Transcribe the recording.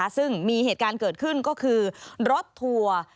ซึ่งมีเหตุการณ์เกิดขึ้นก็คือรถทัวร์